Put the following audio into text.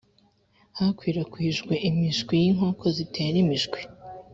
hakwirakwijwe imishwi y inkoko zitera imishwi